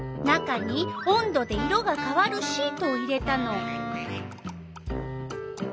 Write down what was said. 中に温度で色がかわるシートを入れたの。